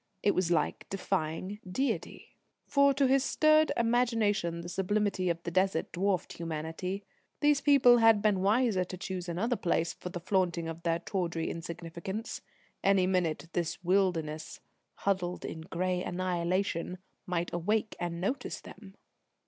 It was like defying deity. For, to his stirred imagination the sublimity of the Desert dwarfed humanity. These people had been wiser to choose another place for the flaunting of their tawdry insignificance. Any minute this Wilderness, "huddled in grey annihilation," might awake and notice them